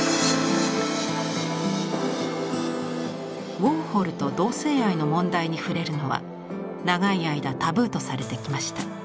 ウォーホルと同性愛の問題に触れるのは長い間タブーとされてきました。